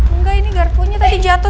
enggak ini garpunya tadi jatuh